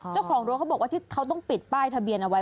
เจ้าของรถเขาบอกว่าที่เขาต้องปิดป้ายทะเบียนเอาไว้